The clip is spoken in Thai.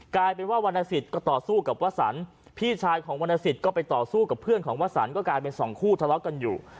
กลายเป็นว่าวรรณสิทธิ์ก็ต่อสู้กับวสันพี่ชายของวรรณสิทธิ์ก็ไปต่อสู้กับเพื่อนของวสันก็กลายเป็นสองคู่ทะเลาะกันอยู่